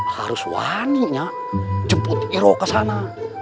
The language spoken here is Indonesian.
harus waninya jemput iro ke sana